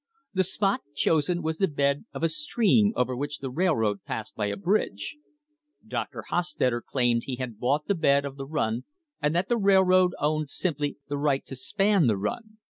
The spot chosen was the bed of a stream over which the railroad passed by a bridge. Dr. Hos tetter claimed he had bought the bed of the run and that the railroad owned simply the right to span the run.